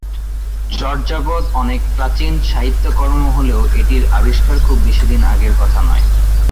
চর্যাপদ অনেক প্রাচীন সাহিত্যকর্ম হলেও এটির আবিষ্কার খুব বেশিদিন আগের কথা নয়।